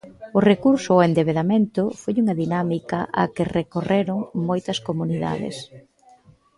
O recurso ao endebedamento foi unha dinámica á que recorreron moitas comunidades.